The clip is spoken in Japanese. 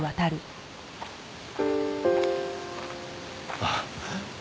あっ。